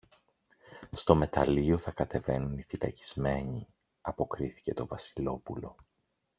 Στο μεταλλείο θα κατεβαίνουν οι φυλακισμένοι, αποκρίθηκε το Βασιλόπουλο.